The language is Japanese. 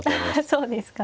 あそうですか。